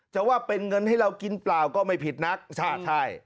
ว่าเป็นเงินให้เรากินเปล่าก็ไม่ผิดนักชาติใช่